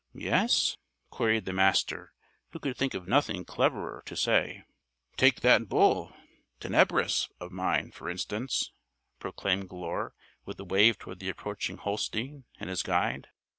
"Yes?" queried the Master, who could think of nothing cleverer to say. "Take that bull, Tenebris, of mine, for instance," proclaimed Glure, with a wave toward the approaching Holstein and his guide.